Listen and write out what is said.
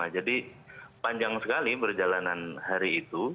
jadi panjang sekali perjalanan hari itu